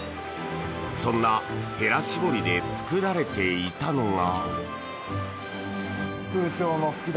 そんなへら絞りで作られていたのが。